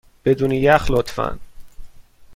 بدون یخ، لطفا.